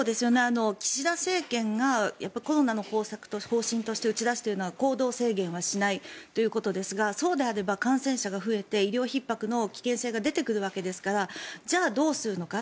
岸田政権がコロナの方針として打ち出しているのは行動制限はしないということですがそうであれば感染者が増えて医療ひっ迫の危険性が出てくるわけですからじゃあどうするのか。